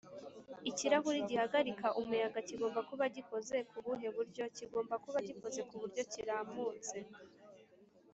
ikirahure gihagarika umuyaga kigomba kuba gikoze kubuhe buryo?kigomba kuba gikoze kuburyo kiramutse